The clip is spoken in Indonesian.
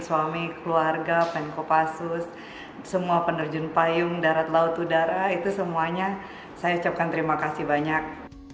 suami keluarga penkopasus semua penerjun payung darat laut udara itu semuanya saya ucapkan terima kasih banyak